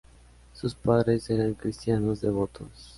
Sus padres eran cristianos devotos.